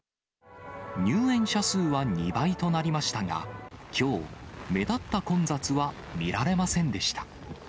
入園者数は２倍となりましたが、きょう、目立った混雑は見られませんでした。